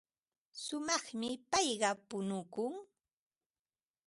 Shumaqmi payqa punukun.